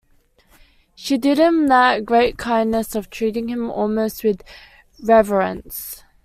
She did him that great kindness of treating him almost with reverence.